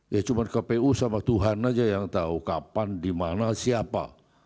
ya cuma kpu sama tuhan saja yang tahu kapan di mana siapa